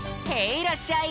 いらっしゃい！